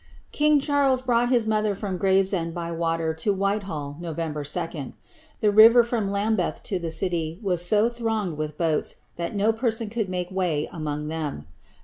King Charles brought his mother from Gravesend by water to White hall, Nov. 2. The river from Lambeth to the city was so thronged with Intats, that no person could make way among them.